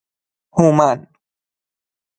هومن